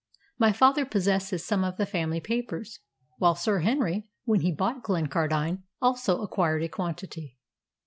My father possesses some of the family papers, while Sir Henry, when he bought Glencardine, also acquired a quantity.